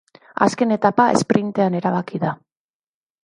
Azken etapa esprintean erabaki da.